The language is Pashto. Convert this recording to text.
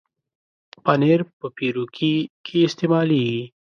پنېر په پیروکي کې استعمالېږي.